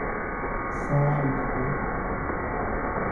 Saa ñkôgô.